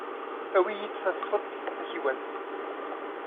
Awey-iyi-d tasfeḍt takiwant.